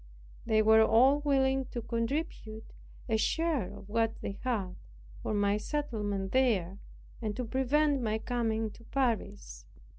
They were all willing to contribute a share of what they had, for my settlement there, and to prevent my coming to Paris.